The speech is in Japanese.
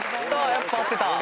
やっぱ合ってた。